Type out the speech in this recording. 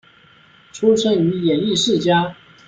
出身于演艺世家。